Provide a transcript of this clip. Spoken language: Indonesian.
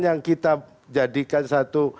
yang kita jadikan satu